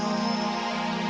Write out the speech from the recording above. gue sama bapaknya